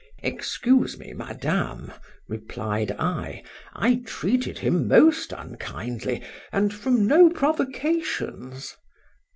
—Excuse me, Madame, replied I,—I treated him most unkindly; and from no provocations.